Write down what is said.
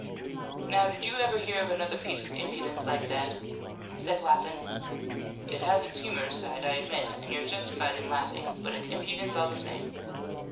"Now, did you ever hear of another piece of impudence like that?" said Watson. "It has its humorous side, I admit, and you're justified in laughing, but it's impudence all the same."